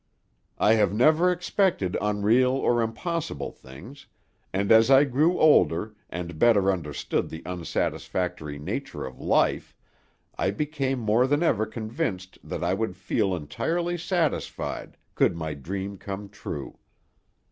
I have never expected unreal or impossible things, and as I grew older, and better understood the unsatisfactory nature of life, I became more than ever convinced that I would feel entirely satisfied could my dream come true.